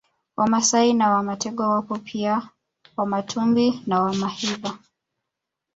Wamasai na Wamatengo wapo pia Wamatumbi na Wamaviha